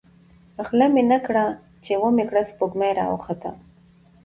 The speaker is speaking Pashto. ـ غله مې نه کړه ،چې ومې کړه سپوږمۍ راوخته.